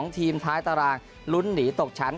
ทีมท้ายตารางลุ้นหนีตกชั้น